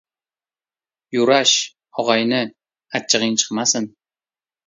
– Yurash, ogʻayni, achchigʻing chiqmasin…